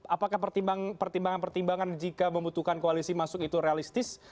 apakah pertimbangan pertimbangan jika membutuhkan koalisi masuk itu realistis